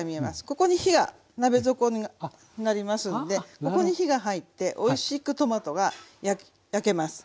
ここに火が鍋底になりますんでここに火が入っておいしくトマトが焼けます。